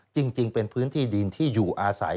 จริงเป็นพื้นที่ดินที่อยู่อาศัย